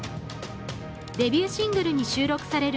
デビューシングルに収録される